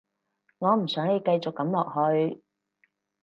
我唔想你繼續噉落去